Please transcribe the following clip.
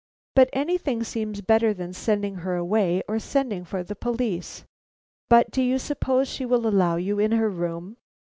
"But anything seems better than sending her away, or sending for the police. But do you suppose she will allow you in her room?"